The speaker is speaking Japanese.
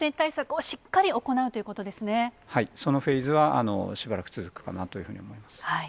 はい、そのフェーズはしばらく続くかなというふうに思います。